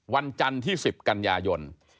วันจันทร์ที่๑๐กันยายน